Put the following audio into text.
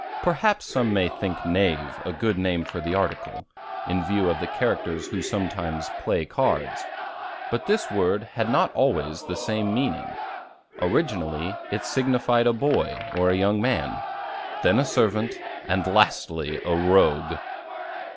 Perhaps some may think Knave a good name for the article, in view of the characters who sometimes "play cards." But this word had not always the same meaning. Originally, it signified a boy or young man, then a servant, and lastly a rogue.